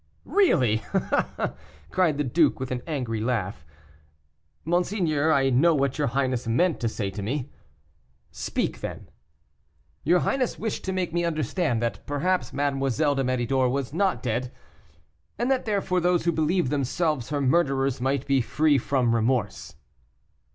"Really!" cried the duke, with an angry laugh. "Monseigneur, I know what your highness meant to say to me." "Speak, then." "Your highness wished to make me understand that perhaps Mademoiselle de Méridor was not dead, and that therefore those who believed themselves her murderers might be free from remorse."